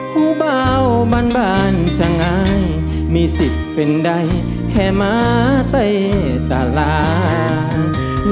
ผู้เบาบานบานจังไงมีสิทธิ์เป็นใดแค่ม้าเต้ตลาด